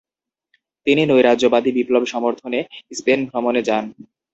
তিনি নৈরাজ্যবাদী বিপ্লব সমর্থনে স্পেন ভ্রমণে যান।